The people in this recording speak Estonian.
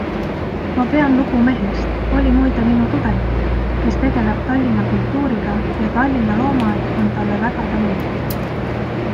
Ma pean lugu mehest - oli muide minu tudeng -, kes tegeleb Tallinna kultuuriga ja Tallinna loomaaed on talle väga tänulik.